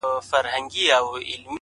كومه يوه خپله كړم!